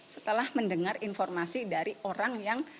setelah mendengar informasi dari orang yang